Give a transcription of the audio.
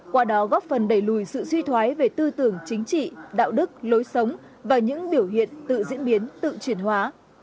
qua đó góp phần đẩy lùi sự suy thoái về tư tưởng chính trị đạo đức lối sống và những biểu hiện tự diễn biến tự chuyển hóa